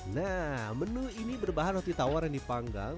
nah menu ini berbahan roti tawar yang dipanggang